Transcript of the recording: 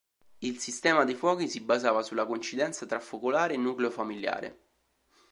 Il sistema dei fuochi si basava sulla coincidenza tra focolare e nucleo familiare.